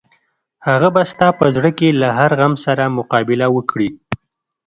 هغه به ستا په زړه کې له هر غم سره مقابله وکړي.